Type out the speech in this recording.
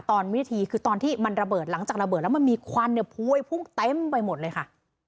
วิธีคือตอนที่มันระเบิดหลังจากระเบิดแล้วมันมีควันเนี่ยพวยพุ่งเต็มไปหมดเลยค่ะ